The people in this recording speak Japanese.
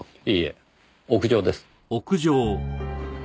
いいえ屋上です。